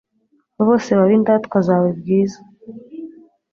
bose, babe indatwa zawe bwiza